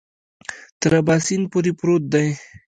تر اباسین پورې پروت دی.